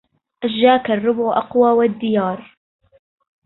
أشجاك الربع أقوى والديار